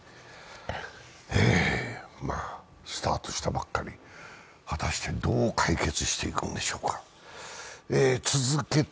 まあ、スタートしたばかり、果たしてどう解決していくのでしょうか。